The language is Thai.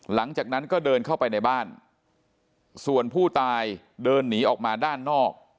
หลังจากนั้นก็เดินเข้าไปในบ้านส่วนผู้ตายเดินหนีออกมาด้านนอก